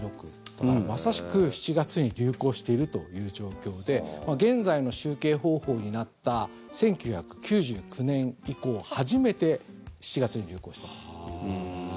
だから、まさしく７月に流行しているという状況で現在の集計方法になった１９９９年以降初めて７月に流行したということなんです。